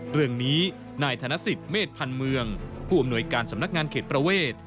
เรื่องนี้นายธนสิทธิเมษพันธ์เมืองผู้อำนวยการสำนักงานเขตประเวท